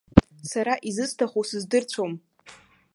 Сара изысҭаху сыздырцәом.